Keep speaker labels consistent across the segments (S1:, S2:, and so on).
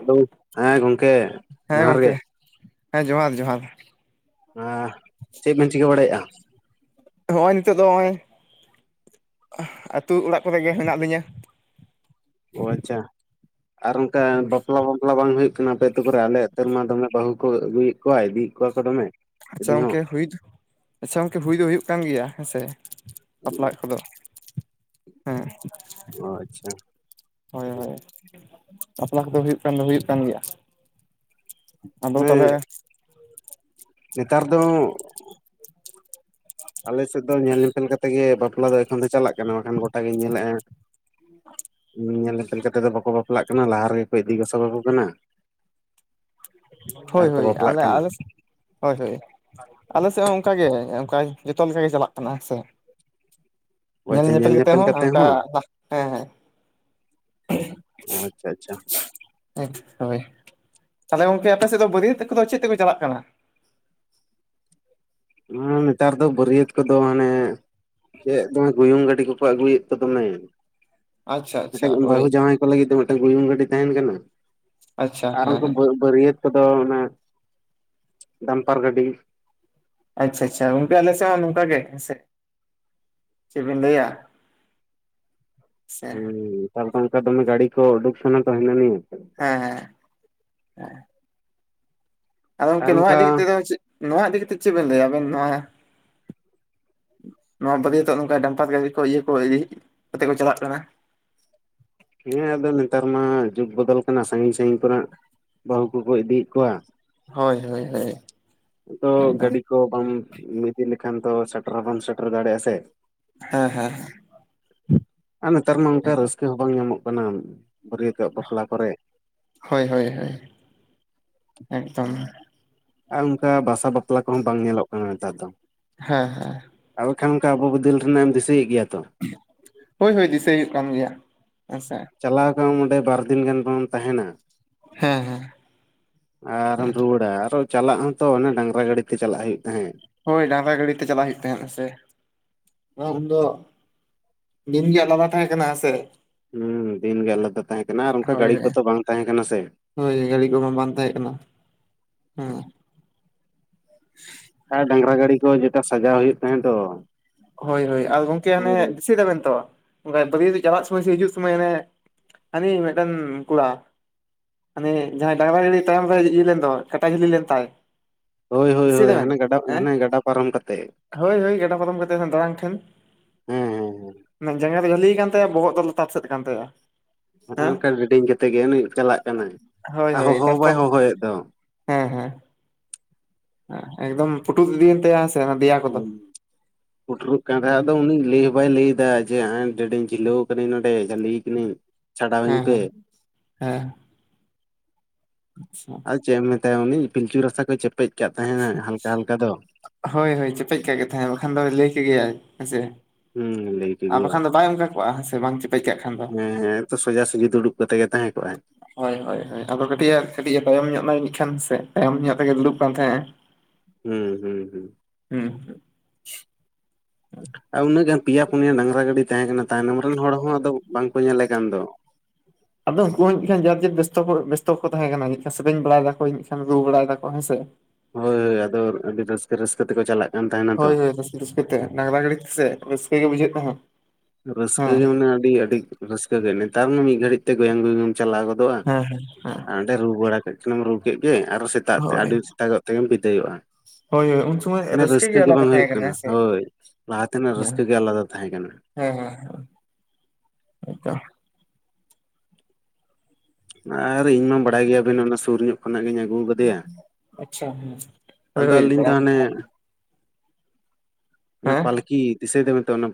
S1: Hello, ᱦᱮᱸ ᱜᱚᱢᱠᱮ
S2: ᱦᱮᱸ
S1: ᱡᱚᱦᱟᱨ ᱜᱮ
S2: ᱜᱚᱝᱠᱮ ᱦᱮᱸ ᱡᱚᱦᱟᱨ ᱡᱚᱦᱟᱨ
S1: ᱪᱮᱫ ᱵᱮᱱ ᱪᱤᱠᱟᱹ ᱵᱟᱲᱟᱮᱜᱼᱟ?
S2: ᱦᱚᱸᱜᱼᱚᱭ ᱱᱤᱛᱚᱜ ᱫᱚ ᱦᱚᱸᱜᱼᱚᱭ ᱟᱹᱛᱩ ᱚᱲᱟᱜ ᱠᱚᱨᱮ ᱜᱮ ᱦᱮᱱᱟᱜ ᱞᱤᱧᱟ᱾
S1: ᱚ ᱟᱪᱪᱷᱟ ᱟᱨ ᱚᱱᱠᱟ ᱵᱟᱯᱞᱟ ᱢᱟᱯᱞᱟ ᱫᱚ ᱵᱟᱝ ᱦᱩᱭᱩᱜ ᱠᱟᱱᱟ ᱟᱯᱮ ᱟᱹᱛᱩ ᱠᱚᱨᱮ ᱟᱞᱮ ᱟᱹᱛᱩ ᱢᱟ ᱫᱚᱢᱮ ᱵᱟᱹᱦᱩ ᱠᱚ ᱟᱹᱜᱩᱭᱼᱮᱫ ᱠᱚᱣᱟ ᱤᱫᱤᱭᱼᱮᱫ ᱠᱚᱣᱟ ᱠᱚ ᱫᱚᱢᱮ
S2: ᱟᱪᱪᱷᱟ
S1: ᱤᱫᱤ ᱦᱚᱸ
S2: ᱜᱚᱢᱠᱮ ᱦᱩᱭᱩᱜ ᱟᱪᱪᱷᱟ ᱜᱚᱢᱠᱮ ᱦᱩᱭ ᱫᱚ ᱦᱩᱭᱩᱜ ᱠᱟᱱ ᱜᱮᱭᱟ ᱦᱮᱸ ᱥᱮ ᱵᱟᱯᱞᱟᱜ ᱠᱚᱫᱚ ᱦᱮᱸ
S1: ᱚ ᱟᱪᱪᱷᱟ
S2: ᱦᱳᱭ ᱦᱳᱭ ᱵᱟᱯᱞᱟ ᱠᱚᱫᱚ ᱦᱩᱭᱩᱜ ᱠᱟᱱ ᱫᱚ ᱦᱩᱭᱩᱜ ᱠᱟᱱ ᱜᱮᱭᱟ ᱟᱫᱚ
S1: ᱢᱟᱱᱮ
S2: ᱛᱟᱞᱦᱮ
S1: ᱱᱮᱛᱟᱨ ᱫᱚ ᱟᱞᱮᱥᱮᱫ ᱫᱚ ᱧᱮᱞ ᱧᱮᱯᱮᱞ ᱠᱟᱛᱮ ᱜᱮ ᱵᱟᱯᱞᱟ ᱫᱚ ᱮᱠᱷᱚᱱ ᱫᱚ ᱪᱟᱞᱟᱜ ᱠᱟᱱᱟ ᱵᱟᱠᱷᱟᱱ ᱜᱚᱴᱟᱜ ᱜᱤᱧ ᱧᱮᱞᱮᱜᱼᱟ ᱧᱮᱞ ᱧᱮᱯᱮᱞ ᱠᱟᱛᱮ ᱫᱚ ᱵᱟᱠᱚ ᱵᱟᱯ ᱵᱟᱯᱞᱟᱜ ᱠᱟᱱᱟ ᱞᱟᱦᱟ ᱨᱮᱜᱮ ᱠᱚ ᱤᱫᱤ ᱜᱚᱥᱚ ᱠᱟᱠᱚ ᱠᱟᱱᱟ
S2: ᱦᱳᱭ
S1: ᱟᱨᱠᱚ
S2: ᱦᱳᱭ
S1: ᱵᱟᱯᱞᱟᱜ
S2: ᱟᱞᱮ
S1: ᱠᱟᱱᱟ
S2: ᱟᱞᱮ ᱥᱮᱫ ᱦᱳᱭ ᱦᱳᱭ ᱟᱞᱮ ᱥᱮᱫ ᱦᱚᱸ ᱚᱱᱠᱟᱜᱮ ᱚᱱᱠᱟ ᱡᱚᱛᱚ ᱞᱮᱠᱟ ᱜᱮ ᱪᱟᱞᱟᱜ ᱠᱟᱱᱟ ᱦᱮᱸ ᱥᱮ ᱧᱮᱞ ᱧᱮᱯᱮᱞ ᱠᱟᱛᱮ ᱦᱚᱸ ᱚᱱᱠᱟ ᱦᱮᱸ ᱦᱮᱸ
S1: ᱚ ᱟᱪᱪᱷᱟ ᱟᱪᱪᱷᱟ
S2: ᱦᱳᱭ ᱛᱟᱦᱚᱞᱮ ᱜᱚᱝᱠᱮ ᱟᱯᱮᱥᱮᱫ ᱫᱚ ᱵᱟᱨᱭᱟᱹᱛ ᱠᱚᱫᱚ ᱪᱮᱫ ᱛᱮᱠᱚ ᱪᱟᱞᱟᱜ ᱠᱟᱱᱟ?
S1: ᱦᱩᱸ ᱱᱮᱛᱟᱨ ᱫᱚ ᱵᱟᱹᱨᱭᱟᱹᱛ ᱠᱚᱫᱚ ᱦᱟᱱᱮ ᱪᱮᱫ ᱫᱚᱢᱮ ᱜᱩᱭᱩᱝ ᱜᱟᱹᱰᱤ ᱠᱚᱠᱚ ᱟᱹᱜᱩᱭᱼᱮᱫ ᱛᱚ ᱫᱚᱢᱮ
S2: ᱟᱪᱪᱷᱟ ᱟᱪᱪᱷᱟ
S1: ᱢᱤᱫᱴᱟᱝ
S2: ᱦᱳᱭ
S1: ᱵᱟᱹᱦᱩ ᱡᱟᱶᱟᱭ ᱠᱚ ᱞᱟᱹᱜᱤᱫ ᱫᱚ ᱢᱤᱫᱴᱟᱝ ᱜᱩᱭᱩᱝ ᱜᱟᱹᱰᱤ ᱛᱟᱦᱮᱸᱱ ᱠᱟᱱᱟ᱾
S2: ᱟᱪᱪᱷᱟ
S1: ᱟᱨ ᱩᱱᱠᱩ
S2: ᱦᱮᱸ
S1: ᱵᱟᱹᱨᱭᱟᱹᱛ ᱠᱚᱫᱚ ᱚᱱᱟ ᱰᱟᱢᱯᱟᱨ ᱜᱟᱹᱰᱤ
S2: ᱟᱪᱪᱷᱟ ᱟᱪᱪᱷᱟ ᱜᱚᱝᱠ ᱟᱞᱮᱥᱮᱫ ᱦᱚᱸ ᱱᱚᱝᱠᱟ ᱜᱮ ᱦᱮᱸ ᱥᱮ ᱪᱮᱫᱵᱤᱱ ᱞᱟᱹᱭᱟ ᱥᱮ ᱦᱮᱸ
S1: ᱦᱩᱸ ᱱᱮᱛᱟᱨ ᱚᱱᱠᱟ ᱫᱚᱢᱮ ᱜᱟᱹᱰᱤ ᱠᱚ ᱩᱰᱩᱠᱥᱚᱱᱟ ᱛᱟᱦᱮᱱᱼᱟ
S2: ᱦᱮᱸ ᱦᱮᱸ ᱟᱫᱚ ᱜᱚᱢᱠᱮ
S1: ᱟᱨ
S2: ᱱᱚᱣᱟ ᱤᱫᱤ
S1: ᱚᱱᱠᱟ
S2: ᱠᱟᱛᱮᱫ ᱫᱚ ᱱᱚᱣᱟ ᱤᱫᱤ ᱠᱟᱛᱮ ᱪᱮᱫ ᱵᱮᱱ ᱞᱟᱹᱭᱟ ᱟᱵᱤᱱ ᱱᱚᱣᱟ ᱱᱚᱣᱟ ᱵᱟᱹᱨᱭᱟᱹᱛᱚ ᱱᱚᱝᱠᱟ ᱰᱟᱢᱯᱟᱨ ᱜᱟᱹᱰᱤ ᱠᱚ ᱤᱭᱟᱹ ᱠᱚ ᱤᱫᱤ ᱠᱟᱛᱮᱫ ᱠᱚ ᱪᱟᱞᱟᱜ ᱠᱟᱱᱟ
S1: ᱦᱮᱸ ᱟᱫᱚ ᱱᱮᱛᱟᱨ ᱢᱟ ᱡᱩᱜ ᱵᱚᱫᱚᱞ ᱠᱟᱱᱟ ᱥᱟᱸᱜᱤᱧ ᱥᱟᱸᱜᱤᱧ ᱠᱚᱨᱮᱱᱟᱜ ᱵᱟᱹᱦᱩ ᱠᱚ ᱠᱚ ᱤᱫᱤᱭᱮᱫ ᱠᱚᱣᱟ᱾
S2: ᱦᱳᱭ ᱦᱳᱭ ᱦᱳᱭ
S1: ᱛᱚ
S2: ᱮᱠᱫᱚᱢ
S1: ᱜᱟᱰᱤ ᱠᱚ ᱵᱟᱢ ᱤᱫᱤ ᱞᱮᱠᱷᱟᱱ ᱫᱚ ᱥᱮᱴᱮᱨ ᱦᱚᱸ ᱵᱟᱢ ᱥᱮᱴᱮᱨ ᱫᱟᱲᱮᱭᱟᱜᱼᱟ ᱥᱮ
S2: ᱦᱮᱸ ᱦᱮᱸ
S1: ᱟᱨ ᱱᱮᱛᱟᱨ ᱢᱟ ᱚᱱᱠᱟ
S2: ᱮᱠᱫᱚᱢ
S1: ᱨᱟᱹᱥᱠᱟ ᱵᱟᱝ ᱧᱟᱢᱚᱜ ᱠᱟᱱᱟ ᱵᱟᱹᱨᱭᱟᱹᱛᱚᱜ ᱵᱟᱯᱞᱟ ᱠᱚᱨᱮ
S2: ᱦᱳᱭ ᱦᱳᱭ ᱦᱳᱭ ᱮᱠᱫᱚᱢ
S1: ᱟᱨ ᱚᱱᱠᱟ ᱵᱟᱥᱟ ᱵᱟᱯᱞᱟ ᱠᱚᱦᱚᱸ ᱵᱟᱝ ᱧᱮᱞᱚᱜ ᱠᱟᱱᱟ ᱱᱮᱛᱟᱨ ᱫᱚ
S2: ᱦᱮᱸ ᱦᱮᱸ
S1: [inaudible] ᱚᱱᱠᱟ ᱟᱵᱚ ᱵᱤᱫᱟᱹᱞ ᱨᱮᱱᱟᱜ ᱮᱢ ᱫᱤᱥᱟᱹᱭᱮᱫ ᱜᱮᱭᱟ ᱛᱚ
S2: ᱦᱳᱭ ᱦᱳᱭ ᱫᱤᱥᱟᱹᱭ ᱦᱩᱭᱩᱜ ᱠᱟᱱ ᱜᱮᱭᱟ ᱦᱮᱸᱥᱮ
S1: ᱪᱟᱞᱟᱣ ᱟᱠᱟᱱ ᱚᱸᱰᱮ ᱵᱟᱨ ᱫᱤᱱ ᱜᱟᱱ ᱵᱚᱱ ᱛᱟᱦᱮᱸᱱᱟ᱾
S2: ᱦᱮᱸ ᱦᱮᱸ
S1: ᱟᱨᱮᱢ
S2: ᱦᱮᱸ
S1: ᱨᱩᱣᱟᱹᱲ ᱟ, ᱟᱨᱚ ᱪᱟᱞᱟᱜ ᱦᱚᱸᱛᱚ ᱚᱱᱮ ᱰᱟᱝᱜᱨᱟ ᱜᱟᱹᱲᱤ ᱛᱮ ᱪᱟᱞᱟᱜ ᱦᱩᱭᱩᱜ ᱛᱟᱦᱮᱸᱫ
S2: ᱦᱳᱭ ᱰᱟᱝᱜᱨᱟ ᱜᱟᱹᱲᱤ ᱛᱮ ᱪᱟᱞᱟᱜ ᱦᱩᱭᱩᱜ ᱛᱟᱦᱮᱸᱫ ᱦᱮᱸᱥᱮ ᱩᱱᱫᱚ ᱫᱤᱱ ᱜᱮ ᱟᱞᱟᱫᱟ ᱛᱟᱦᱮᱸ ᱠᱟᱱᱟ ᱦᱮᱸ ᱥᱮ
S1: ᱦᱩᱸ ᱫᱤᱱᱜᱮ ᱟᱞᱟᱫᱟ ᱛᱟᱦᱮᱸ ᱠᱟᱱᱟ ᱟᱨ ᱚᱱᱠᱟ
S2: ᱦᱳᱭ
S1: ᱜᱟᱹᱰᱤ
S2: ᱦᱳᱭ
S1: ᱠᱚᱛᱚ ᱵᱟᱝ ᱛᱟᱦᱮᱸ ᱠᱟᱱᱟ ᱥᱮ᱾
S2: ᱦᱳᱭ ᱜᱟᱹᱰᱤ ᱠᱚᱢᱟ ᱵᱟᱝ ᱛᱟᱦᱮᱸ ᱠᱟᱱᱟ ᱦᱮᱸ [unintelligible]
S1: ᱟᱨ ᱰᱟᱝᱨᱟ ᱜᱟᱹᱰᱤ ᱠᱚ ᱡᱮᱴᱟ ᱥᱟᱡᱟᱣ ᱦᱩᱭᱩᱜ ᱠᱟᱱ ᱛᱚ᱾
S2: ᱦᱳᱭ ᱦᱳᱭ ᱟᱨ ᱜᱚᱢᱠᱮ ᱦᱟᱱᱮ ᱫᱤᱥᱟᱹᱭ ᱫᱟᱵᱮᱱ ᱛᱚ ᱚᱱᱠᱟ ᱵᱟᱹᱨᱭᱟᱹ ᱪᱟᱞᱟᱜ ᱥᱳᱢᱚᱭ ᱥᱮ ᱦᱤᱡᱩᱜ ᱥᱩᱢᱚᱭ ᱦᱮ ᱦᱟᱹᱱᱤ ᱢᱤᱫᱴᱮᱱ ᱠᱚᱲᱟ ᱢᱟᱱᱮ ᱡᱟᱦᱟᱸᱭ ᱰᱟᱹᱝᱨᱟ ᱜᱟᱹᱰᱤ ᱛᱟᱭᱚᱢ ᱨᱮ ᱤᱭᱟᱹ ᱞᱮᱱ ᱫᱚ ᱠᱟᱴᱟ ᱡᱷᱟᱞᱤ ᱞᱮᱱ ᱛᱟᱭ
S1: ᱦᱳᱭ ᱦᱳᱭ
S2: ᱫᱤᱥᱟᱹᱭ
S1: ᱦᱳᱭ
S2: ᱫᱟᱵᱮᱱ
S1: ᱦᱟᱱᱮ ᱜᱟᱰᱟ
S2: ᱦᱮᱸ
S1: ᱦᱟᱱᱮ ᱜᱟᱰᱟ ᱯᱟᱨᱚᱢ ᱠᱟᱛᱮᱜ
S2: ᱦᱳᱭ ᱦᱳᱭ ᱜᱟᱰᱟ ᱯᱚᱛᱚᱢ ᱠᱟᱛᱮ ᱫᱟᱲᱟᱢ ᱴᱷᱮᱱ
S1: ᱦᱮᱸ ᱦᱮᱸ ᱦᱮᱸ
S2: ᱡᱟᱸᱜᱟ ᱫᱚ ᱡᱟᱹᱞᱤᱭ ᱠᱟᱱ ᱛᱟᱭᱟ ᱵᱚᱦᱚᱜ ᱫᱚ ᱞᱟᱛᱟᱨ ᱥᱮᱫ ᱠᱟᱱ ᱛᱟᱭᱟ᱾ ᱦᱮᱸ
S1: ᱚᱱᱠᱟ ᱨᱮᱰᱤᱝ ᱠᱟᱛᱮᱫ ᱜᱮ ᱩᱱᱤ ᱪᱟᱞᱟᱜ ᱠᱟᱱᱟᱭ
S2: ᱦᱳᱭ
S1: ᱟᱨ
S2: ᱦᱳᱭ
S1: ᱦᱚᱦᱚ ᱵᱟᱭ
S2: ᱛᱟᱨᱯᱚᱨ
S1: ᱦᱚᱦᱚᱭᱮᱫ ᱫᱚ᱾
S2: ᱦᱮᱸ ᱦᱮᱸ ᱦᱮᱸ ᱮᱠᱫᱚᱢ ᱯᱩᱴᱩᱛᱡ ᱤᱫᱤᱭᱮᱱ ᱛᱟᱭᱟ ᱥᱮ ᱫᱮᱭᱟ ᱠᱚᱫᱚ
S1: [unintelligible] ᱯᱩᱴᱨᱩᱵ ᱠᱟᱸᱴᱷᱟ
S2: ᱦᱮᱸ
S1: ᱫᱚ ᱩᱱᱤ ᱞᱟᱹᱭ ᱦᱚᱸ ᱵᱟᱭ ᱞᱟᱹᱭ ᱮᱫᱟ ᱡᱮ [inaudible] ᱡᱷᱤᱞᱟᱹᱣ ᱠᱟᱹᱧ ᱱᱚᱸᱰᱮ ᱡᱟᱹᱞᱤᱭ ᱠᱟᱹᱱᱟᱹᱧ ᱪᱷᱟᱰᱟᱣᱤᱧ
S2: ᱦᱮᱸ
S1: ᱯᱮ
S2: ᱦᱮᱸ ᱦᱮᱸ ᱟᱪᱪᱷᱟ
S1: ᱟᱫᱚ ᱪᱮᱫ ᱮᱢ ᱢᱮᱛᱟᱭᱟ ᱩᱱᱤ ᱯᱤᱞᱪᱩ ᱨᱟᱥᱟ ᱠᱚᱭ ᱪᱮᱯᱮᱡ ᱟᱠᱟᱫ ᱛᱟᱦᱮᱸᱱᱟ ᱦᱟᱞᱠᱟ ᱦᱟᱞᱠᱟ ᱫᱚ
S2: ᱦᱳᱭ ᱦᱳᱭ ᱪᱮᱯᱮᱡ ᱠᱟᱜ ᱜᱮ ᱛᱟᱦᱮᱸᱫ ᱵᱟᱠᱷᱟᱱ ᱫᱚ ᱞᱟᱹᱭ ᱠᱮ ᱜᱮᱭᱟᱭ ᱦᱮᱸᱥᱮ
S1: ᱦᱩᱸ ᱞᱟᱹᱭ
S2: ᱟᱨ
S1: ᱠᱮᱫᱮᱭᱟᱭ
S2: ᱵᱟᱠᱷᱟᱱ ᱫᱚ ᱵᱟᱭ ᱚᱱᱠᱟ ᱠᱚᱼᱟ ᱦᱮᱸ ᱥᱮ ᱵᱟᱝ ᱪᱮᱯᱮᱡ ᱠᱟᱜ ᱠᱷᱟᱱ ᱫᱚ
S1: ᱦᱮᱸ ᱦᱮᱸ ᱛᱚ ᱥᱚᱡᱟ ᱥᱚᱡᱷᱤ ᱫᱩᱲᱩᱵ ᱠᱟᱛᱮᱜ ᱜᱮ ᱛᱟᱦᱮᱸ ᱠᱚᱜᱼᱟᱭ
S2: ᱦᱳᱭ ᱦᱳᱭ ᱦᱳᱭ ᱟᱫᱚ ᱠᱟᱹᱴᱤᱡ ᱮ ᱠᱟᱴᱤᱡ ᱮ ᱛᱟᱭᱚᱢ ᱧᱚᱜ ᱱᱟ ᱢᱤᱫ ᱠᱷᱟᱱ ᱥᱮ ᱛᱟᱭᱚᱢ ᱧᱚᱜ ᱛᱮᱜᱮ ᱫᱩᱲᱩᱵ ᱠᱟᱱ ᱛᱟᱦᱮᱸᱜᱼᱟᱭ
S1: ᱦᱩᱸ ᱦᱩᱸ ᱦᱩᱸ
S2: ᱦᱩᱸ
S1: ᱟᱨ ᱩᱱᱟᱹᱜ ᱜᱟᱱ ᱯᱮᱭᱟ ᱯᱩᱱᱭᱟ ᱰᱟᱝᱨᱟ ᱜᱟᱹᱰᱤ ᱛᱟᱦᱮᱸ ᱠᱟᱱᱟ ᱛᱟᱭᱱᱚᱢ ᱨᱮᱱ ᱦᱚᱲ ᱦᱚᱸ ᱟᱫᱚ ᱵᱟᱝ ᱠᱚ ᱧᱮᱞᱮ ᱠᱟᱱ ᱫᱚ᱾
S2: ᱟᱫᱚ ᱩᱱᱠᱩ ᱦᱚᱸ ᱡᱟᱱᱤᱡ ᱠᱷᱟᱱ ᱡᱟᱨ ᱡᱮᱨ ᱵᱮᱥᱛᱚ ᱠᱚ ᱵᱮᱥᱛᱚ ᱠᱚ ᱛᱟᱦᱮᱸ ᱠᱟᱱᱟ ᱡᱟᱱᱤ ᱠᱷᱟᱱ ᱥᱮᱨᱮᱧ ᱵᱟᱲᱟᱭ ᱫᱟᱠᱚ ᱨᱩ ᱵᱟᱲᱟᱭ ᱫᱟᱠᱚ ᱦᱮᱸ ᱥᱮ
S1: ᱦᱳᱭ ᱦᱳᱭ ᱟᱫᱚ ᱟᱹᱰᱤ ᱨᱟᱹᱥᱠᱟᱹ ᱨᱟᱹᱥᱠᱟᱹ ᱛᱮᱠᱚ ᱪᱟᱞᱟᱜ ᱠᱟᱱ ᱛᱟᱦᱮᱸᱱᱟ ᱛᱚ
S2: ᱦᱳᱭ ᱦᱳᱭ ᱨᱟᱹᱥᱠᱟᱹ ᱨᱟᱹᱥᱠᱟᱹ ᱛᱮ ᱰᱟᱝᱜᱽᱨᱟ ᱜᱟᱹᱰᱤ ᱛᱮ ᱥᱮ ᱨᱟᱹᱥᱠᱟᱹ ᱜᱮ ᱵᱩᱡᱷᱟᱹᱜ ᱛᱟᱦᱮᱸᱫ᱾
S1: ᱨᱟᱹᱥᱠᱟᱹ
S2: ᱦᱮᱸ
S1: ᱜᱮ ᱢᱟᱱᱮ ᱟᱹᱰᱤ ᱟᱹᱰᱤ ᱨᱟᱹᱥᱠᱟᱹ ᱜᱮ ᱱᱮᱛᱟᱨ ᱢᱟ ᱢᱤᱫ ᱜᱷᱟᱹᱲᱤᱡ ᱛᱮ ᱜᱚᱭᱟᱝ ᱜᱩᱭᱩᱝ ᱮᱢ ᱪᱟᱞᱟᱣ ᱜᱚᱫᱚᱜ
S2: ᱦᱮᱸ ᱦᱮᱸ ᱦᱮᱸ
S1: ᱟᱨ ᱚᱸᱰᱮ ᱨᱩ ᱵᱟᱲᱟ ᱠᱮᱫ ᱠᱷᱮᱢ ᱨᱩ ᱠᱮᱫ ᱜᱮ ᱟᱨᱚ ᱥᱮᱛᱟᱜ ᱥᱮᱛᱟᱜ ᱛᱮ
S2: ᱦᱳᱭ
S1: ᱟᱹᱰᱤ ᱥᱮᱛᱟᱜ ᱛᱮᱜᱮᱢ ᱵᱤᱫᱟᱹᱭᱚᱜᱼᱟ᱾
S2: ᱦᱳᱭ ᱦᱳᱭ ᱩᱱ ᱥᱩᱢᱚᱭ
S1: ᱩᱱᱟᱹᱜ ᱨᱟᱹᱥᱠᱟᱹ ᱜᱮ ᱵᱟᱝ ᱦᱩᱭᱩᱜ ᱠᱟᱱᱟ ᱦᱳᱭ ᱞᱟᱦᱟ ᱛᱮᱱᱟᱜ ᱨᱟᱹᱥᱠᱟᱹ ᱜᱮ ᱟᱞᱟᱫᱟ ᱛᱟᱦᱮᱸ ᱠᱟᱱᱟ᱾
S2: ᱦᱮᱸ ᱦᱮᱸ ᱦᱮᱸ ᱟᱛᱚ
S1: ᱟᱨ ᱤᱧ ᱢᱟ ᱵᱟᱲᱟᱭ ᱜᱮᱭᱟ ᱵᱤᱱ ᱚᱱᱟ ᱥᱩᱨ ᱧᱚᱜ ᱠᱷᱱᱟᱜ ᱜᱤᱧ ᱟᱹᱜᱩ ᱠᱟᱫᱮᱭᱟ
S2: ᱟᱪᱪᱷᱟ ᱦᱮᱸ ᱦᱳᱭ
S1: ᱟᱫᱚ
S2: ᱦᱳᱭ
S1: ᱟᱞᱤᱧ ᱫᱚ ᱦᱟᱱᱮ ᱚᱱᱟ
S2: ᱦᱮᱸ
S1: ᱯᱟᱞᱠᱤ ᱫᱤᱥᱟᱹᱭ ᱫᱚᱵᱮᱱ ᱛᱚ ᱚᱱᱟ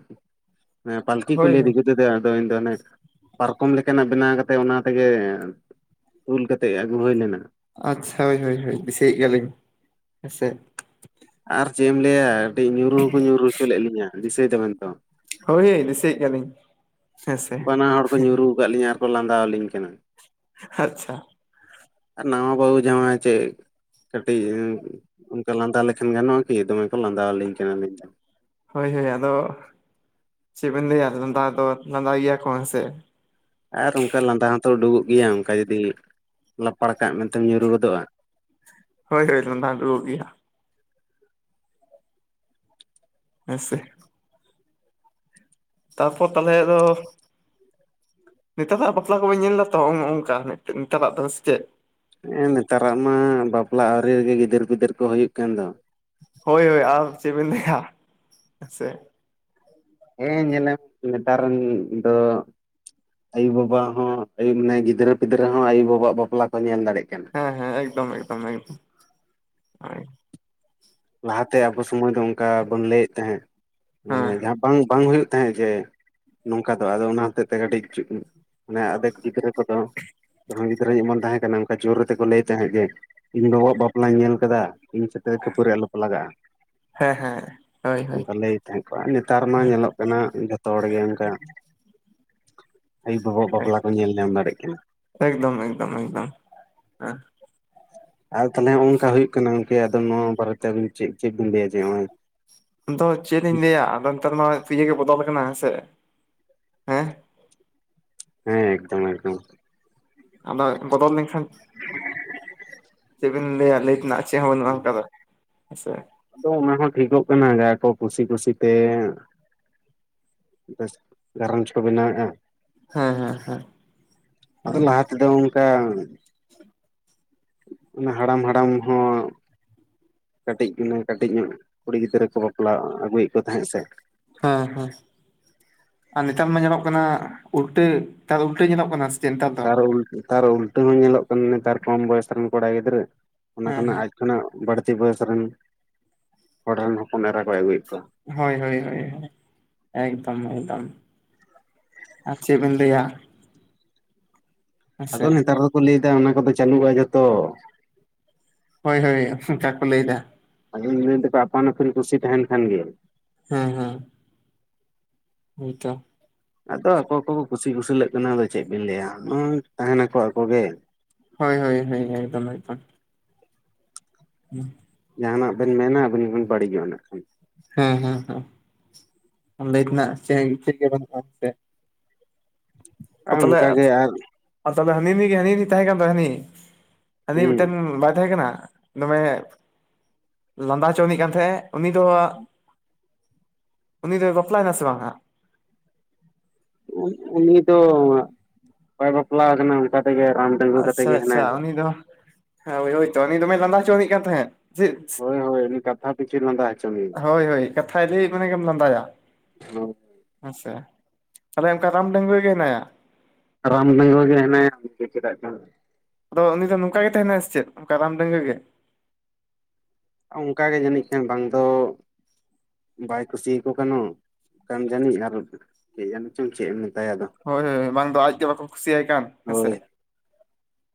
S1: ᱮᱸ ᱯᱟᱞᱠᱤ ᱠᱚ
S2: ᱦᱳᱭ
S1: ᱞᱟᱹᱭᱟ
S2: ᱦᱳᱭ
S1: ᱫᱤᱠᱩ ᱛᱮᱫᱚ ᱟᱫᱚ ᱤᱧ ᱫᱚ ᱚᱱᱮ ᱯᱟᱨᱠᱚᱢ ᱞᱮᱠᱟᱱᱟᱜ ᱵᱮᱱᱟᱣ ᱠᱟᱛᱮᱜ ᱚᱱᱟ ᱛᱮᱜᱮ ᱛᱩᱞ ᱠᱟᱛᱮᱜ ᱟᱹᱜᱩ ᱦᱳᱭ ᱞᱮᱱᱟ
S2: ᱟᱪᱪᱷᱟ ᱦᱳᱭ ᱦᱳᱭ ᱦᱳᱭ ᱫᱤᱥᱟᱹᱭᱮᱜ ᱜᱮᱭᱟᱞᱤᱧ ᱦᱮᱸᱥᱮ
S1: ᱟᱨ ᱪᱮᱜ ᱮᱢ ᱞᱮᱭᱟ ᱠᱟᱹᱴᱤᱡ ᱧᱩᱨᱩ ᱦᱚᱠᱚ ᱧᱩᱨᱩ ᱦᱚᱪᱚ ᱞᱮᱜ ᱞᱤᱧᱟᱹ ᱫᱤᱥᱟᱹᱭ ᱫᱚᱵᱮᱱ ᱛᱚ
S2: ᱦᱳᱭ ᱦᱳᱭ ᱫᱤᱥᱟᱹᱭᱮᱜ ᱜᱮᱭᱟᱞᱤᱧ ᱦᱮᱸᱥᱮ
S1: ᱵᱟᱱᱟ ᱦᱚᱲ ᱠᱚ ᱧᱩᱨᱩ ᱟᱠᱟᱜ ᱞᱤᱧᱟᱹ ᱟᱨᱠᱚ ᱞᱟᱸᱫᱟᱣ ᱟᱹᱞᱤᱧ ᱠᱟᱱᱟ
S2: ᱟᱪᱪᱷᱟ
S1: ᱟᱨ ᱱᱟᱣᱟ ᱵᱟᱦᱩ ᱡᱟᱶᱟᱭ ᱪᱮ ᱠᱟᱹᱴᱤᱡ ᱚᱱᱠᱟ ᱞᱟᱸᱫᱟ ᱞᱮᱠᱷᱟᱱ ᱜᱟᱱᱚᱜᱼᱟ ᱠᱤ ᱫᱚᱢᱮ ᱠᱚ ᱞᱟᱸᱫᱟ ᱟᱹᱞᱤᱧ ᱠᱟᱱᱟ ᱟᱞᱤᱧ ᱫᱚ
S2: ᱦᱳᱭ ᱦᱳᱭ ᱟᱫᱚ ᱪᱮᱜᱵᱮᱱ ᱞᱟᱹᱭᱟ ᱞᱟᱸᱫᱟ ᱫᱚ ᱞᱟᱸᱫᱟᱭ ᱜᱮᱭᱟ ᱠᱚ ᱦᱮᱸ ᱥᱮ
S1: ᱟᱨ ᱚᱝᱠᱟ ᱞᱟᱸᱫᱟ ᱦᱚᱸᱛᱚ ᱩᱰᱩᱜᱚᱜ ᱜᱤᱭᱟ ᱚᱝᱠᱟ ᱡᱩᱫᱤ ᱞᱟᱯᱟᱲ ᱠᱟᱜ ᱢᱮᱱᱛᱮᱢ ᱧᱩᱨᱩ ᱜᱚᱫᱚᱜᱼᱟ
S2: ᱦᱳᱭ ᱦᱳᱭ ᱞᱟᱸᱫᱟ ᱚᱸᱰᱳᱠᱚᱜᱼᱜᱤᱭᱟ ᱦᱮᱸ ᱥᱮ ᱛᱟᱨᱯᱚᱨ ᱛᱟᱦᱚᱞᱮ ᱟᱫᱚ ᱱᱮᱛᱟᱨᱟᱜ ᱵᱟᱯᱞᱟ ᱠᱚᱵᱮᱱ ᱧᱮᱞ ᱫᱟᱛᱚ ᱦᱚᱜᱼᱚᱝ ᱦᱚᱜᱼᱚᱝ ᱠᱟ ᱱᱮᱛ ᱱᱮᱛᱟᱨᱟᱜ ᱫᱚ ᱥᱮᱪᱮᱫ
S1: ᱦᱮᱸ ᱱᱮᱛᱟᱨᱟᱜ ᱢᱟ ᱵᱟᱯᱞᱟ ᱟᱹᱣᱨᱤ ᱨᱤᱜᱤ ᱜᱤᱫᱟᱹᱨ ᱯᱤᱫᱟᱹᱨ ᱠᱚ ᱦᱚᱭᱩᱜ ᱠᱟᱱ ᱫᱚ
S2: ᱦᱳᱭ ᱦᱳᱭ ᱟᱨ ᱪᱮᱜ ᱵᱤᱱ ᱞᱮᱭᱟ ᱦᱮᱸ ᱥᱮ
S1: ᱦᱮᱸ ᱧᱮᱞᱮᱢ ᱱᱮᱛᱟᱨᱮᱱ ᱫᱚ ᱟᱭᱳᱵᱟᱵᱟ ᱦᱚᱸ ᱟᱭᱩ ᱢᱟᱱᱮ ᱜᱤᱫᱽᱨᱟᱹ ᱯᱤᱫᱽᱨᱟᱹ ᱦᱚᱸ ᱟᱭᱩᱵᱟᱵᱟᱣᱟᱜ ᱵᱟᱯᱞᱟ ᱠᱚ ᱧᱮᱞ ᱫᱟᱲᱮᱜ ᱠᱟᱱᱟ
S2: ᱦᱮᱸ ᱦᱮᱸ ᱮᱠᱫᱚᱢ ᱮᱠᱫᱚᱢ ᱮᱠᱫᱚᱢ ᱦᱳᱭ
S1: ᱞᱟᱦᱟᱛᱮ ᱟᱵᱚ ᱥᱩᱢᱟᱹᱭ ᱫᱚ ᱚᱝᱠᱟ ᱵᱚᱱ ᱞᱟᱹᱭᱮᱫ ᱛᱟᱦᱮᱸᱜ ᱢᱟᱱᱮ
S2: ᱦᱮᱸ
S1: ᱡᱟᱦᱟᱸ ᱵᱟᱝ ᱵᱟᱝ ᱦᱩᱭᱩᱜ ᱛᱟᱦᱮᱸᱜ ᱡᱮ ᱱᱚᱝᱠᱟ ᱫᱚ ᱟᱫᱚ ᱚᱱᱟ ᱦᱚᱛᱮᱜ ᱛᱮ ᱠᱟᱹᱴᱤᱡ ᱪᱩᱜ ᱢᱟᱱᱮ ᱟᱫᱮᱠ ᱜᱤᱫᱽᱨᱟᱹ ᱠᱚᱫᱚ ᱡᱟᱦᱟᱸᱭ ᱜᱤᱫᱽᱨᱟᱹ ᱜᱮ ᱠᱚ ᱛᱟᱦᱮᱸ ᱠᱟᱱᱟ ᱡᱳᱨ ᱜᱟᱛᱮᱜ ᱠᱚ ᱞᱟᱹᱭ ᱛᱟᱦᱮᱸᱜ ᱡᱮ ᱤᱧ ᱵᱟᱵᱟᱣᱟᱜ ᱵᱟᱯᱞᱟᱧ ᱧᱮᱞ ᱠᱟᱫᱟ ᱤᱧ ᱥᱟᱛᱮᱜ ᱠᱷᱟᱹᱯᱟᱹᱨᱤ ᱟᱞᱚᱯᱮ ᱞᱟᱜᱟᱜᱼᱟ
S2: ᱦᱮᱸ ᱦᱮᱸ ᱦᱳᱭ ᱦᱳᱭ
S1: ᱚᱝᱠᱟ ᱞᱟᱹᱭ ᱛᱟᱦᱮᱸᱜ ᱠᱚ ᱟᱨ ᱱᱮᱛᱟᱨ ᱢᱟ ᱧᱮᱞᱚᱜ ᱠᱟᱱᱟ ᱡᱷᱚᱛᱚ ᱦᱚᱲ ᱜᱮ ᱚᱝᱠᱟ ᱟᱭᱩ ᱵᱟᱵᱟᱭᱟᱜ ᱵᱟᱯᱞᱟ ᱠᱚ ᱧᱮᱞ ᱧᱟᱢ ᱫᱟᱲᱮᱜ ᱠᱟᱱᱟ
S2: ᱮᱠᱫᱚᱢ ᱮᱠᱫᱚᱢ ᱮᱠᱫᱚᱢ ᱦᱮᱸ
S1: ᱟᱨ ᱛᱟᱞᱦᱮ ᱦᱚᱜᱼᱚᱝᱠᱟ ᱦᱩᱭᱩᱜ ᱠᱟᱱᱟ ᱜᱚᱝᱠᱮ ᱟᱫᱚ ᱱᱚᱣᱟ ᱵᱟᱨᱮᱛᱮ ᱟᱵᱤᱱ ᱪᱮᱜ ᱪᱮᱜ ᱵᱤᱱ ᱞᱟᱹᱭᱟ ᱡᱮ ᱦᱚᱸᱜᱼᱚᱭ
S2: ᱟᱫᱚ ᱪᱮᱫ ᱤᱧ ᱞᱟᱹᱭᱟ ᱟᱫᱚ ᱱᱮᱛᱟᱨ ᱢᱟ ᱤᱭᱟᱹ ᱜᱮ ᱵᱚᱫᱚᱞ ᱠᱟᱱᱟ ᱦᱮᱸᱥᱮ ᱦᱮᱸ
S1: ᱦᱮᱸ ᱮᱠᱫᱚᱢ ᱮᱠᱫᱚᱢ
S2: ᱟᱫᱚ ᱵᱚᱫᱚᱞ ᱞᱮᱝᱠᱷᱟᱱ ᱪᱮᱜ ᱵᱤᱱ ᱞᱟᱹᱭᱟ ᱞᱟᱹᱭ ᱛᱮᱱᱟᱜ ᱪᱮᱜ ᱦᱚᱸ ᱵᱟᱹᱱᱩᱜᱼᱟ ᱚᱝᱠᱟᱫᱚ ᱥᱮ
S1: ᱛᱚ ᱚᱱᱟ ᱦᱚᱸ ᱴᱷᱤᱠᱚᱜ ᱠᱟᱱᱟ ᱡᱮ ᱟᱠᱚ ᱠᱩᱥᱤ ᱠᱩᱥᱤᱛᱮ ᱵᱮᱥ ᱜᱟᱨᱚᱸᱡᱽ ᱠᱚ ᱵᱮᱱᱟᱣᱭᱮᱜᱼᱟ
S2: ᱦᱮᱸ ᱦᱮᱸ ᱦᱮᱸ
S1: ᱞᱟᱦᱟ ᱟᱫᱚ ᱚᱝᱠᱟ ᱚᱱᱟ ᱦᱟᱲᱟᱢ ᱦᱟᱲᱟᱢ ᱦᱚᱸ ᱠᱟᱹᱴᱤᱡ ᱪᱩᱞᱩᱝ ᱠᱟᱹᱴᱤᱡ ᱧᱚᱜ ᱠᱩᱲᱤ ᱜᱤᱫᱽᱨᱟᱹ ᱠᱚ ᱵᱟᱯᱞᱟ ᱟᱹᱜᱩᱭᱮᱜ ᱠᱚ ᱛᱟᱦᱮᱸᱜ ᱥᱮ
S2: ᱦᱮᱸ ᱦᱮᱸ ᱟᱨ ᱱᱮᱛᱟᱨ ᱢᱟ ᱧᱮᱞᱚᱜ ᱠᱟᱱᱟ ᱩᱞᱴᱟᱹ ᱱᱮᱛᱟᱨ ᱩᱞᱴᱟᱹ ᱧᱮᱞᱚᱜ ᱠᱟᱱᱟ ᱪᱮᱫ ᱱᱮᱛᱟᱨ ᱫᱚ
S1: ᱛᱟᱨ ᱩᱞ ᱛᱟᱨ ᱩᱞᱴᱟᱹ ᱦᱚᱸ ᱧᱮᱞᱚᱜ ᱠᱟᱱᱟ ᱱᱮᱛᱟᱨ ᱠᱚᱢ ᱵᱚᱭᱮᱥ ᱨᱮᱱ ᱠᱚᱲᱟ ᱜᱤᱫᱽᱨᱟᱹ ᱚᱱᱟ
S2: ᱦᱮᱸ
S1: ᱠᱷᱚᱱᱟᱜ
S2: ᱦᱮᱸ
S1: ᱟᱡ ᱠᱷᱚᱱᱟᱜ ᱵᱟᱹᱲᱛᱤ ᱵᱚᱭᱮᱥ ᱨᱮᱱ ᱦᱚᱲ ᱨᱮᱱ ᱦᱚᱯᱚᱱ ᱮᱨᱟ ᱠᱚᱭ ᱟᱹᱜᱩᱭᱮᱜ ᱠᱚᱣᱟ
S2: ᱦᱳᱭ ᱦᱳᱭ ᱮᱠᱫᱚᱢ ᱮᱠᱫᱚᱢ ᱟᱨ ᱪᱮᱜ ᱵᱮᱱ ᱞᱟᱹᱭᱟ ᱦᱮᱸᱥᱮ
S1: ᱟᱫᱚ ᱱᱮᱛᱟᱨ ᱫᱚᱠᱚ ᱞᱟᱹᱭᱫᱟ ᱚᱱᱟ ᱠᱚᱫᱚ ᱪᱟᱹᱞᱩᱜᱼᱟ ᱡᱷᱚᱛᱚ
S2: ᱦᱳᱭ ᱦᱳᱭ ᱚᱱᱠᱟ ᱠᱚ ᱞᱟᱹᱭᱮᱫᱟ
S1: ᱟᱫᱚᱧ ᱞᱟᱹᱭ ᱫᱟᱠᱚ ᱟᱯᱟᱱ ᱟᱹᱯᱤᱱ ᱠᱩᱥᱤ ᱛᱟᱦᱮᱱ ᱠᱷᱟᱱ ᱜᱮ
S2: ᱦᱮᱸ ᱦᱮᱸ ᱦᱳᱭᱛᱚ
S1: ᱟᱫᱚ ᱟᱠᱚ ᱠᱚᱠᱚ ᱠᱩᱥᱤ ᱠᱩᱥᱤᱞᱟᱜ ᱠᱟᱱᱟ᱾ ᱟᱫᱚ ᱪᱮᱫ ᱵᱤᱱ ᱞᱟᱹᱭᱟ ᱢᱟ ᱛᱟᱦᱮᱱᱟᱠᱚ ᱟᱠᱚᱜᱮ᱾
S2: ᱦᱳᱭ ᱦᱳᱭ ᱦᱳᱭ ᱮᱠᱫᱚᱢ ᱮᱠᱫᱚᱢ᱾ ᱦᱮᱸ,
S1: ᱡᱟᱦᱟᱱᱟᱜ ᱵᱮᱱ ᱢᱮᱱᱟ, ᱟᱵᱤᱱ ᱵᱤᱱ ᱵᱟᱹᱲᱤᱡᱚᱜᱼᱟ ᱤᱱᱟᱹᱜ ᱠᱷᱟᱱ᱾
S2: ᱦᱮᱸ ᱦᱮᱸ ᱦᱮᱸ ᱚᱸᱵᱮ ᱞᱟᱹᱭ ᱛᱮᱱᱟᱜ ᱪᱮᱫ ᱜᱮ ᱵᱟᱹᱱᱩᱜᱼᱟ ᱥᱮ᱾
S1: ᱟᱨ
S2: ᱛᱟᱦᱚᱞᱮ
S1: ᱚᱱᱠᱟᱜᱮ ᱟᱨ
S2: ᱛᱟᱦᱚᱞᱮ ᱦᱟᱱᱤᱱᱤ ᱜᱮ ᱦᱟᱹᱱᱤ ᱛᱟᱦᱮᱸ ᱠᱟᱱ ᱛᱚ ᱦᱟᱹᱱᱤ? ᱦᱟᱱᱤ ᱢᱤᱫᱴᱮᱱ
S1: ᱦᱮᱸ
S2: ᱵᱟᱭ ᱛᱟᱦᱮ ᱠᱟᱱᱟ? ᱫᱚᱢᱮ ᱞᱟᱸᱫᱟ ᱦᱚᱪᱚᱤᱧ ᱠᱟᱱ ᱛᱟᱦᱮᱸᱜ ᱩᱱᱤ ᱫᱚ ᱩᱱᱤᱫ ᱫᱚ ᱵᱟᱯᱞᱟᱭᱮ ᱱᱟᱥᱮ ᱵᱟᱝᱣᱟᱼᱟ?
S1: ᱩᱱᱤ ᱫᱚ ᱵᱟᱭ ᱵᱟᱯᱞᱟ ᱠᱟᱱᱟ ᱚᱱᱠᱟ ᱛᱮᱜᱮ ᱨᱟᱱ
S2: ᱟᱪᱪᱷᱟ ᱟᱪᱪᱷᱟ, ᱩᱱᱤ ᱫᱚ ᱦᱮᱭ ᱦᱳᱭᱛᱚ ᱩᱱᱤ ᱫᱚᱢᱮ ᱞᱟᱸᱫᱟ ᱦᱚᱪᱚᱣᱤᱡ ᱠᱟᱱ ᱛᱟᱦᱮᱸᱫ? ᱪᱮᱫ
S1: ᱦᱳᱭ ᱦᱳᱭ ᱩᱱᱤ ᱠᱟᱛᱷᱟ ᱯᱤᱪᱷᱩ ᱞᱟᱸᱫᱟ ᱦᱚᱪᱚ ᱢᱮᱭᱟ
S2: ᱦᱳᱭ ᱦᱳᱭ, ᱠᱟᱛᱷ ᱞᱟᱹᱭ ᱢᱟᱱᱮ ᱜᱮᱢ ᱞᱟᱸᱫᱟᱭᱟ᱾
S1: ᱦ [unintelligible]
S2: ᱟᱪᱪᱷᱟ ᱛᱟᱦᱚᱞᱮ, ᱚᱱᱠᱟ ᱨᱟᱢ ᱰᱟᱹᱝᱜᱩᱭᱟᱹ ᱜᱮ ᱦᱮᱱᱟᱭᱟ᱾
S1: ᱨᱟᱢ ᱰᱟᱹᱜᱩᱭᱟᱹ ᱜᱮ ᱦᱮᱱᱟᱭᱟ ᱪᱮᱫᱟᱜ ᱪᱚ᱾
S2: ᱟᱫᱚ ᱩᱱᱤ ᱫᱚ ᱱᱚᱝᱠᱟ ᱜᱮ ᱛᱟᱦᱮᱱᱟ ᱥᱮ ᱪᱮᱫ? ᱱᱚᱝᱠᱟ ᱨᱟᱢ ᱰᱟᱝᱜᱟᱹ ᱜᱮ?
S1: ᱚᱱᱠᱟᱜᱮ ᱡᱟᱹᱱᱤᱡ ᱠᱷᱟᱱ ᱵᱟᱝ ᱫᱚ᱾ ᱵᱟᱭ ᱠᱩᱥᱤᱭᱟᱠᱚ ᱠᱟᱱᱚᱝ, ᱠᱟᱱ ᱡᱟᱹᱱᱤᱡ ᱟᱨ ᱠᱤ ᱡᱟᱱᱤ ᱪᱚᱝ ᱪᱮᱫ ᱮᱢ ᱢᱮᱛᱟᱭᱟ ᱟᱫᱚ᱾
S2: ᱦᱳᱭ ᱦᱳᱭ ᱵᱟᱝ ᱫᱚ ᱟᱡᱽ ᱜᱮ ᱵᱟᱠᱚ ᱠᱩᱥᱤᱭᱟᱭ ᱠᱟᱱ᱾ ᱦᱮᱸᱥᱮ
S1: ᱦᱳᱭ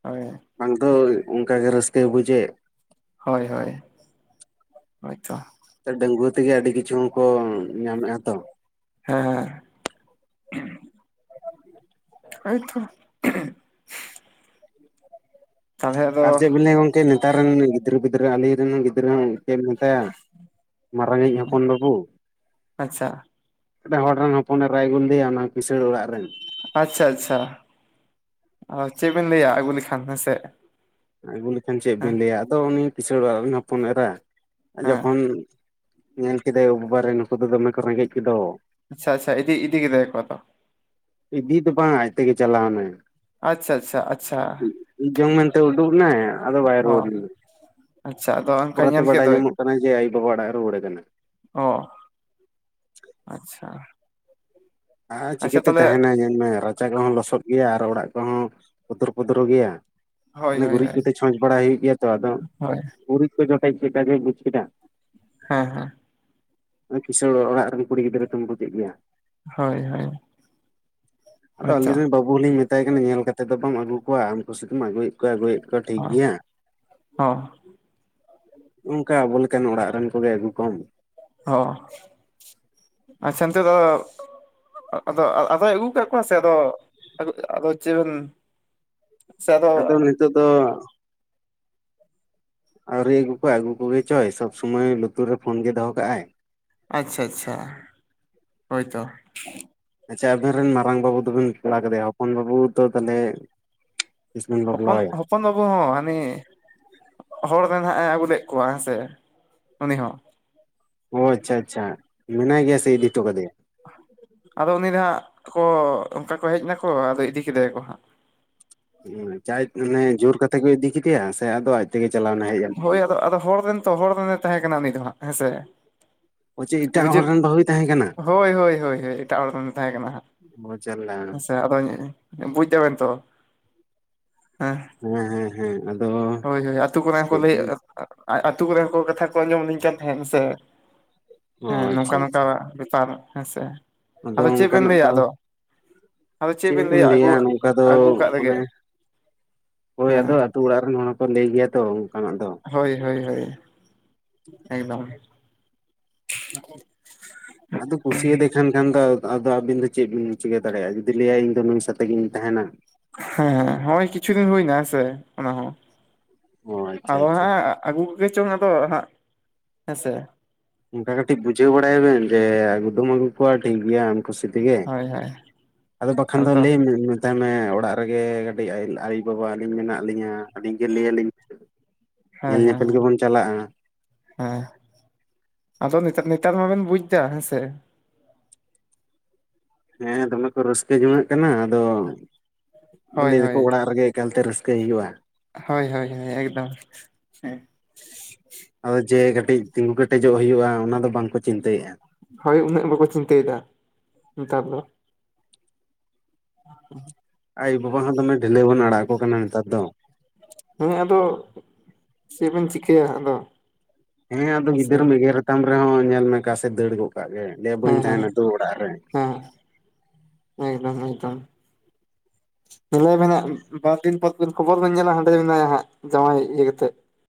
S2: ᱦᱳᱭ
S1: ᱵᱟᱝ ᱫᱚ ᱚᱱᱠᱟᱜᱮ ᱨᱟᱹᱥᱠᱟᱹᱭ ᱵᱩᱡᱮᱫ᱾
S2: ᱦᱳᱭ ᱦᱳᱭ, ᱦᱳᱭᱛᱚ᱾
S1: ᱰᱟᱹᱝᱜᱩᱭᱟᱹ ᱛᱮᱜᱮ ᱟᱹᱰᱤ ᱠᱤᱪᱷᱩ ᱠᱚ ᱧᱟᱢᱮᱫᱼᱟ ᱛᱚ᱾
S2: ᱦᱮᱸ ᱦᱮᱸ, ᱟᱪᱪᱷᱟ [unintelligible] ᱛᱟᱦᱚᱞᱮ ᱟᱫᱚ
S1: ᱟᱨ ᱪᱮᱫ ᱵᱤᱱ ᱞᱟᱹᱭᱟ ᱜᱚᱝᱠᱮ, ᱱᱮᱛᱟᱨ ᱨᱮᱱ ᱜᱤᱫᱽᱨᱟᱹ ᱯᱤᱫᱽᱨᱟᱹ ᱟᱞᱤᱧ ᱨᱮᱱ ᱜᱤᱫᱽᱨᱟᱹ ᱦᱚᱸ ᱪᱮᱫ ᱮᱢ ᱢᱮᱛᱟᱭᱟ ᱢᱟᱨᱟᱝᱤᱡ ᱦᱚᱯᱚᱱ ᱵᱟᱹᱵᱩ᱾
S2: ᱟᱪᱪᱷᱟ
S1: ᱢᱤᱫ ᱦᱚᱲ ᱨᱮᱱ ᱦᱚᱯᱚᱱᱮ ᱨᱟᱭ ᱟᱜᱳ ᱞᱮᱫᱮᱭᱟ ᱚᱱᱟ ᱠᱤᱥᱟᱹᱟᱹᱲ ᱚᱲᱟᱜ ᱨᱮᱱ᱾
S2: ᱟᱪᱪᱷᱟ ᱟᱪᱪᱷᱟ, ᱚ ᱪᱮᱫ ᱵᱤᱱ ᱞᱟᱹᱭᱟ ᱟᱹᱜᱩ ᱞᱮᱠᱷᱟᱱ ᱦᱮᱸᱥᱮ᱾
S1: ᱟᱹᱜᱩ ᱞᱮᱠᱷᱟᱱ ᱪᱮᱫ
S2: ᱦᱮᱸ
S1: ᱵᱮᱱ ᱞᱟᱹᱭᱟ᱾ ᱟᱫᱚ ᱩᱱᱤ ᱠᱤᱥᱟᱹᱲ ᱚᱲᱟᱜ ᱨᱮᱧ ᱦᱚᱯᱚᱱ ᱮᱨᱟ
S2: ᱦᱮᱸ
S1: ᱡᱚᱠᱷᱚᱱ ᱧᱮᱞ ᱠᱮᱫᱮᱭᱟ ᱠᱚ ᱵᱟᱵᱟᱨᱮ ᱱᱩᱠᱩ ᱫᱚ ᱫᱚᱢᱮ ᱠᱚ ᱨᱮᱸᱜᱮᱡ ᱠᱮᱫᱚ᱾
S2: ᱟᱪᱪᱷᱟ ᱟᱪᱪᱷᱟ, ᱤᱫᱤ ᱤᱫᱤ ᱠᱮᱫᱮᱭᱟ ᱟᱠᱚ ᱟᱫᱚ
S1: ᱤᱫᱤ ᱫᱚ ᱵᱟᱝ ᱟᱡ ᱛᱮᱜᱮ ᱪᱟᱞᱟᱣᱱᱟ᱾
S2: ᱟᱪᱪᱷᱟ ᱟᱪᱪᱷᱟ ᱟᱪᱪᱷᱟ
S1: ᱤᱡ ᱡᱚᱝ ᱢᱮᱱᱛᱮ ᱩᱰᱩᱠ ᱱᱟᱭ ᱟᱫᱚ ᱵᱟᱭ
S2: ᱚ
S1: ᱨᱩᱣᱟᱹᱲ ᱞᱮᱱ᱾
S2: ᱟᱪᱪᱷᱟ ᱟᱫᱚ? ᱚᱱᱠᱟ
S1: ᱯᱚᱨᱮᱛᱮ
S2: ᱧᱮᱞ ᱠᱮᱫ
S1: ᱵᱟᱲᱟᱭ
S2: ᱫᱚᱭ
S1: ᱧᱟᱢᱚᱜ ᱠᱟᱱᱟ ᱡᱮ ᱟᱭᱚ ᱵᱟᱵᱟ ᱚᱲᱟᱜ ᱛᱮ ᱨᱩᱭᱟᱹᱲᱟ ᱠᱟᱱᱟ᱾
S2: ᱚ ᱟᱪᱪᱷᱟ,
S1: ᱟᱨ
S2: ᱟᱪᱪᱷᱟ
S1: ᱪᱤᱠᱟᱹᱛᱮ
S2: ᱛᱟᱦᱚᱞᱮ
S1: ᱛᱟᱦᱮᱱᱟ᱾ ᱧᱮᱞ ᱢᱮ ᱨᱟᱪᱟ ᱠᱚᱦᱚᱸ ᱞᱚᱥᱚᱫ ᱜᱮᱭᱟ᱾ ᱟᱨ ᱚᱲᱟᱜ ᱠᱚᱦᱚᱸ ᱯᱚᱫᱷᱨᱚ ᱯᱚᱫᱷᱨᱚ ᱜᱮᱭᱟ᱾
S2: ᱦᱳᱭ
S1: ᱢᱟᱱᱮ
S2: ᱦᱳᱭ
S1: ᱜᱩᱨᱤᱡ ᱠᱚᱛᱮ ᱪᱷᱚᱸᱪ ᱵᱟᱲᱟ ᱦᱩᱭᱩᱜ ᱜᱮᱭᱟ ᱛᱚ᱾ ᱟᱫᱚ
S2: ᱦᱳᱭ
S1: ᱜᱩᱨᱤᱡ ᱠᱚ ᱡᱚᱴᱮᱡ ᱪᱮᱫ ᱜᱮ ᱵᱩᱡᱽ ᱠᱮᱫᱟ᱾
S2: ᱦᱮᱸ ᱦᱮᱸ,
S1: ᱟᱹᱲᱤ ᱠᱤᱥᱟᱹᱲ ᱚᱲᱟᱜ ᱨᱮᱱ ᱠᱩᱲᱤ ᱜᱤᱫᱽᱨᱟᱹ ᱫᱚᱢ ᱜᱩᱮᱫ ᱜᱮᱭᱟ᱾
S2: ᱦᱳᱭ ᱦᱳᱭ,
S1: ᱟᱫᱚ
S2: ᱦᱳᱭᱛᱚ
S1: ᱟᱹᱞᱤᱧ ᱨᱮᱱ ᱵᱟᱹᱵᱩ ᱦᱚᱞᱤᱧ ᱢᱮᱛᱟᱭ ᱠᱟᱱᱟ, ᱧᱮᱞ ᱠᱟᱛᱮᱫ ᱫᱚ ᱵᱟᱢ ᱟᱹᱜᱩ ᱠᱚᱣᱟ ᱟᱢ ᱠᱩᱥᱤ ᱛᱮᱢ ᱟᱹᱜᱩᱭᱮᱫ᱾ ᱠᱚ ᱟᱹᱜᱩᱭᱮᱫ ᱠᱚᱣᱟ ᱴᱷᱤᱠ
S2: ᱦᱚᱸ
S1: ᱜᱮᱭᱟ᱾
S2: ᱦᱚᱸ
S1: ᱱᱝᱠᱟ ᱟᱵᱚ ᱞᱮᱠᱟᱱ ᱚᱲᱟᱜ ᱨᱮᱱ ᱠᱚᱜᱮ ᱟᱹᱜᱩ ᱠᱚᱢ᱾
S2: ᱦᱚᱸ ᱟᱪᱪᱷᱟ ᱛᱮ ᱫᱚ ᱟᱫᱚ ᱟᱫᱚᱭ ᱟᱹᱜᱩ ᱟᱠᱟᱫ ᱠᱚᱣᱟ ᱥᱮ ᱟᱫᱚ ᱟᱫᱚ ᱪᱮᱫ ᱵᱮᱱ
S1: ᱟᱫᱚ ᱱᱤᱛᱚᱜ ᱫᱚ ᱟᱹᱣᱨᱤ ᱟᱹᱜᱩ ᱠᱚᱣᱟᱭ ᱾ᱟᱹᱜᱩ ᱠᱚᱜᱮ ᱪᱚᱭ ᱥᱚᱵᱽ ᱥᱩᱢᱚᱭ ᱞᱩᱛᱩᱨ ᱨᱮ ᱯᱷᱳᱱ ᱜᱮ ᱫᱚᱦᱚ ᱠᱟᱜᱼᱟᱭ᱾
S2: ᱟᱪᱪᱷᱟ ᱟᱪᱪᱷᱟ ᱦᱳᱭᱛᱚ ᱾
S1: ᱟᱪᱪᱷᱟ ᱟᱵᱤᱱ ᱨᱮᱱ ᱢᱟᱨᱟᱝ ᱵᱟᱹᱵᱩ ᱫᱚᱵᱤᱱ ᱵᱟᱯᱞᱟ ᱠᱮᱫᱮᱭᱟ, ᱦᱚᱯᱚᱱ ᱵᱟᱹᱵᱩ ᱫᱚ ᱛᱟᱞᱦᱮ
S2: ᱦᱚᱯᱚᱱ ᱦᱚ ᱦᱚᱯᱚᱱ ᱵᱟᱹᱵᱩ ᱦᱚᱸ ᱦᱟᱹᱱᱤ ᱦᱚᱲ ᱨᱮᱱ ᱦᱟᱸᱜ ᱮ ᱟᱹᱜᱩ ᱞᱮᱫ ᱠᱚᱣᱟ ᱦᱮᱸ ᱥᱮ ᱩᱱᱤ ᱦᱚᱸ᱾
S1: ᱚ ᱟᱪᱪᱷᱟ ᱟᱪᱪᱷᱟ ᱢᱮᱱᱟᱭ ᱜᱮᱭᱟ ᱥᱮ ᱤᱫᱤ ᱦᱚᱴᱚ ᱠᱟᱫᱮᱭᱟᱭ ‍‌?
S2: ᱟᱫᱚ ᱩᱱᱤ ᱫᱚ ᱦᱟᱸᱜ ᱠᱚ ᱚᱱᱠᱟ ᱠᱚ ᱦᱮᱡ ᱱᱟᱠᱚ ᱟᱫᱚ ᱤᱫᱤ ᱠᱮᱫᱮᱭᱟᱠᱚ ᱦᱟᱸᱜ᱾
S1: ᱩᱸ ᱪᱟᱭ ᱢᱟᱱᱮ ᱡᱳᱨ ᱠᱟᱛᱮ ᱠᱚ ᱤᱫᱤ ᱠᱮᱫᱮᱭᱟ ᱥᱮ ᱟᱫᱚ ᱟᱡ ᱛᱮᱜᱮ ᱪᱟᱞᱟᱣ ᱱᱟ?
S2: ᱦᱳᱭ ᱟᱫᱚ ᱟᱫᱚ ᱦᱚᱲ ᱨᱮᱱ ᱛᱚ ᱦᱚᱲ ᱨᱮᱱᱮ ᱛᱟᱦᱮᱸ ᱠᱟᱱᱟ ᱩᱱᱤ ᱫᱚ ᱦᱟᱸᱜ, ᱦᱮᱸᱥᱮ?
S1: ᱚ ᱪᱮᱫ ᱮᱴᱟᱜ ᱦᱚᱲ
S2: ᱵᱩᱡᱷᱟᱹᱜ
S1: ᱨᱮᱱ ᱵᱟᱹᱦᱩᱭ ᱛᱟᱦᱮᱸ ᱠᱟᱱᱟ
S2: ᱦᱳᱭ ᱦᱳᱭ ᱦᱳᱭ ᱦᱳᱭ ᱮᱴᱟᱜ ᱦᱚᱲ ᱨᱮᱱᱮ ᱛᱟᱦᱮᱸ ᱠᱟᱱᱟ ᱦᱟᱸᱜ᱾
S1: ᱚ ᱡᱟᱞᱟ
S2: ᱦᱮᱸᱥᱮ ᱟᱫᱚ ᱵᱩᱡ ᱫᱟᱵᱮᱱ ᱛᱚ ᱦᱮᱸ
S1: ᱦᱮᱸ ᱦᱮᱸ ᱦᱮᱸ ᱾ ᱟᱫᱚᱻ
S2: ᱦᱳᱭ ᱦᱳᱭ ᱟᱹᱛᱳ ᱠᱚᱨᱮᱱ ᱦᱚᱸ ᱠᱚ ᱞᱟᱹᱭ ᱟᱹᱛᱳ ᱠᱚᱨᱮ ᱦᱚᱲ ᱠᱟᱛᱷᱟ ᱠᱚ ᱟᱸᱡᱚᱢ ᱟᱹᱞᱤᱧ ᱠᱟᱱ ᱛᱟᱦᱮᱱ ᱦᱮᱸ ᱥᱮ ᱾
S1: ᱚ
S2: ᱦᱮᱸ ᱱᱚᱝᱠᱟ
S1: ᱟᱪᱪᱷᱟ
S2: ᱱᱚᱝᱠᱟ
S1: ᱟᱪᱪᱷᱟ
S2: ᱵᱮᱯᱟᱨ ᱦᱮᱸ ᱥᱮ ᱾
S1: ᱟᱫᱚ ᱚᱱᱠᱟᱱᱟᱜ ᱫᱚ
S2: ᱟᱫᱚ
S1: ᱪᱮᱫ
S2: ᱵᱮᱱ
S1: ᱵᱤᱱ
S2: ᱟᱹᱜᱩ
S1: ᱞᱟᱹᱭᱟ ᱱᱚᱝᱠᱟ ᱫᱚ
S2: ᱟᱹᱜᱩ ᱠᱟᱜ ᱨᱮᱜᱮ
S1: ᱢᱟᱱᱮ, ᱦᱳᱭ
S2: ᱦᱮᱸ
S1: ᱟᱫᱚ ᱟᱛᱩ ᱚᱲᱟᱜ ᱨᱮᱱ ᱦᱚᱲ ᱦᱚᱸᱠᱚ ᱞᱟᱹᱭ ᱜᱮᱭᱟ ᱛᱚ ᱚᱱᱠᱟᱱᱟᱜ ᱫᱚ᱾
S2: ᱦᱳᱭ ᱦᱳᱭ ᱦᱳᱭ᱾ ᱮᱠᱫᱚᱢ᱾ [inaudible]
S1: ᱟᱫᱚ ᱠᱩᱥᱤᱭᱟᱫᱮ ᱠᱷᱟᱱ ᱠᱷᱟᱱ ᱫᱚ ᱟᱫᱚ ᱟᱵᱤᱱ ᱫᱚ ᱪᱮᱫ ᱵᱤᱱ ᱪᱤᱠᱟᱹ ᱫᱟᱲᱮᱭᱟᱜᱼᱟ, ᱡᱩᱫᱤ ᱞᱟᱹᱭᱟᱭ ᱤᱧᱫᱚ ᱱᱩᱭ ᱥᱟᱸᱛᱮ ᱜᱤᱧ ᱛᱟᱦᱮᱱᱟ᱾
S2: ᱦᱮᱸ ᱦᱚᱸᱜᱚᱭ ᱠᱤᱪᱷᱩ ᱫᱤᱱ ᱦᱩᱭᱱᱟ ᱦᱮᱸᱥᱮ ᱚᱱᱟ ᱦᱚᱸ
S1: ᱚ ᱟᱪᱪᱷᱟ
S2: ᱟᱫᱚ
S1: ᱟᱪᱪᱷᱟ
S2: ᱦᱮᱸ ᱟᱹᱜᱩ ᱠᱚᱜᱮ ᱪᱚᱝ ᱟᱫᱚ ᱦᱟᱸᱜ, ᱦᱮᱸ ᱥᱮ?
S1: ᱚᱱᱠᱟ ᱠᱟᱹᱴᱤᱡ ᱵᱩᱡᱟᱹᱣ ᱵᱟᱲᱟᱭ ᱮᱵᱮᱱ ᱡᱮ ᱟᱹᱜᱩᱫᱚᱢ ᱟᱹᱜᱩ ᱠᱚᱣᱟ ᱴᱷᱤᱠ ᱜᱮᱭᱟ᱾ ᱠᱷᱩᱥᱤ ᱛᱮᱜᱮ
S2: ᱦᱳᱭ ᱦᱳᱭ
S1: ᱟᱫᱚ ᱵᱟᱠᱷᱚᱱ ᱫᱚ ᱞᱟᱭ ᱢᱮ ᱱᱟᱣᱟ ᱛᱟᱭ ᱢᱮ ᱚᱲᱟᱜ ᱨᱮᱜᱮ ᱠᱟᱹᱴᱤᱡ [unintelligible] ᱟᱭᱩ-ᱵᱟᱵᱟ ᱟᱹᱞᱤᱧ ᱢᱮᱱᱟᱜ ᱞᱤᱧᱟᱹ ᱟᱹᱞᱤᱧ ᱜᱮ ᱞᱟᱹᱭᱟ ᱞᱤᱧ
S2: ᱦᱮᱸ ᱦᱮᱸ ᱦᱮᱸ ᱦᱮᱸ᱾ ᱫᱚ ᱱᱮᱛᱟᱨ ᱱᱮᱛᱟᱨ ᱢᱟᱵᱤᱱ ᱵᱩᱡ ᱫᱟ ᱦᱮᱸᱥᱮ᱾
S1: ᱦᱮᱸ ᱫᱚᱢᱮ ᱠᱚ ᱨᱟᱹᱥᱠᱟᱹ ᱡᱚᱝᱟᱜ ᱠᱟᱱᱟ ᱟᱫᱚ,
S2: ᱦᱳᱭ
S1: ᱞᱟᱹᱭ ᱫᱟᱠᱚ ᱚᱲᱟᱜ ᱨᱮᱜᱮ ᱮᱠᱟᱞ ᱛᱮ ᱨᱟᱹᱥᱠᱟᱹᱭ ᱦᱩᱭᱩᱜ-ᱟ᱾
S2: ᱦᱳᱭ ᱦᱳᱭ ᱦᱳᱭ ᱮᱠᱫᱚᱢ᱾
S1: ᱦᱳᱭ ᱡᱮ ᱠᱟᱹᱴᱤᱡ ᱛᱤᱸᱜᱩ ᱠᱮᱴᱮᱡᱚᱜ ᱦᱩᱭᱩᱜᱼᱟ ᱚᱱᱟ ᱫᱚ ᱵᱟᱝ ᱠᱚ ᱪᱤᱱᱛᱟᱹᱭᱮᱜᱼᱟ ᱾
S2: ᱦᱳᱭ ᱩᱱᱟᱹᱜ ᱵᱟᱠᱚ ᱪᱤᱱᱛᱟᱹᱭᱫᱟ ᱱᱮᱛᱟᱨ ᱫᱚ᱾ [inaudible]
S1: ᱟᱭᱳ ᱵᱟᱵᱟ ᱦᱚᱸ ᱫᱚᱢᱮ ᱰᱷᱤᱞᱟᱹᱣ ᱵᱚᱱ ᱟᱲᱟᱜ ᱟᱠᱚ ᱠᱟᱱᱟ ᱱᱮᱛᱟᱨ ᱫᱚ ᱾
S2: ᱦᱮᱸ ᱟᱫᱚ ᱪᱮᱫ ᱵᱮᱱ ᱪᱤᱠᱟᱹᱭᱟ ᱟᱫᱚᱼᱼ
S1: ᱦᱮᱸ ᱟᱫᱚ ᱜᱤᱫᱟᱹᱨᱢ ᱮᱜᱮᱨᱮᱛᱟᱢ ᱨᱮ ᱦᱚᱸ ᱧᱮᱞ ᱢᱮ ᱚᱠᱟᱥᱮᱫ ᱫᱟᱹᱲ ᱜᱚᱫ ᱠᱟᱜ ᱜᱮ ᱞᱟᱹᱭᱟᱭ ᱵᱟᱹᱧ
S2: ᱦᱮᱸ ᱦᱮᱸ
S1: ᱛᱟᱦᱮᱱᱟ ᱫᱳ ᱚᱲᱟᱜ ᱨᱮ᱾
S2: ᱦᱮᱸ ᱮᱠᱫᱚᱢ ᱮᱠᱫᱚᱢ᱾ ᱧᱮᱞᱚᱜ ᱟᱵᱮᱱ ᱦᱟᱸᱜ ᱵᱟᱨ ᱫᱤᱱ ᱯᱚᱨ ᱯᱚᱨ ᱠᱷᱚᱵᱚᱨ ᱵᱮᱱ ᱧᱮᱞᱟ ᱦᱟᱸᱜ ᱦᱟᱸᱰᱮ ᱢᱮᱱᱟᱭᱟ ᱦᱟᱸᱜ ᱡᱟᱶᱟᱭ ᱤᱭᱟᱹ ᱠᱟᱛᱮᱫ ᱾